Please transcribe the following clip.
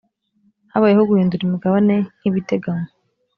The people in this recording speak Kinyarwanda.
habayeho guhindura imigabane nkibiteganywa .